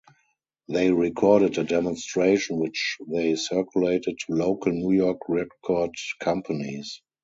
They recorded a demonstration which they circulated to local New York record companies.